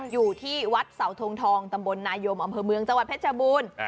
อยู่ที่วัดเสาทงทองตำบลนายมอำเภอเมืองจังหวัดเพชรบูรณ์